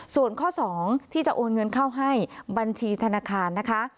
ส่วนข้อ๒ที่จะโอนเงินเข้าให้บัญชีธนาคารนะคะ